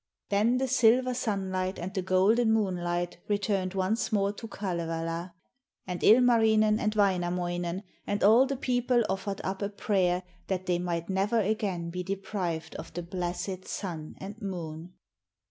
Then the silver sunlight and the golden moonlight returned once more to Kalevala, and Ilmarinen, and Wainamoinen, and all the people offered up a prayer that they might never again be deprived of the blessed Sun and Moon.